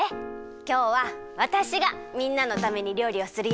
きょうはわたしがみんなのためにりょうりをするよ。